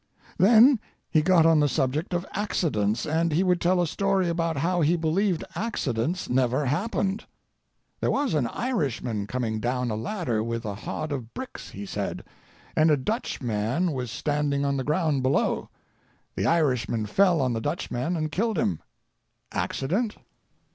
Then he got on the subject of accidents, and he would tell a story about how he believed accidents never happened. "There was an Irishman coming down a ladder with a hod of bricks," he said, "and a Dutchman was standing on the ground below. The Irishman fell on the Dutchman and killed him. Accident?